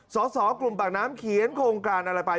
สสกลุ่มปากน้ำเขียนโครงการอะไรไป